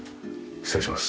失礼します。